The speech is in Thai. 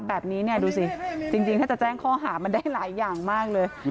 แบบนี้เนี่ยดูสิจริงถ้าจะแจ้งข้อหามันได้หลายอย่างมากเลย